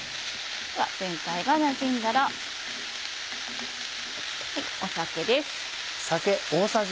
全体がなじんだら酒です。